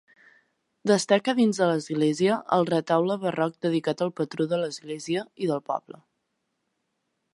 Destaca dins de l'església el retaule barroc dedicat al patró de l'església i del poble.